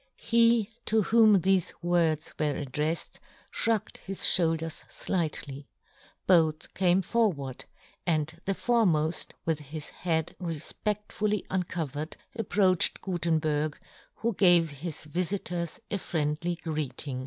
He to whom thefe words were addreifed fhrugged his fhoulders flightly, both came forward, and the foremoft, with his head refpedtfully uncovered, ap proached Gutenberg, who gave his vifitors a friendly greeting.